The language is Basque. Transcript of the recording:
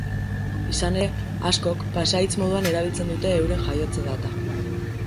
Izan ere, askok pasahitz moduan erabiltzen dute euren jaiotze data.